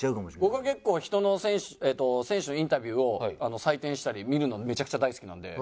僕結構人の選手のインタビューを採点したり見るのめちゃくちゃ大好きなんで。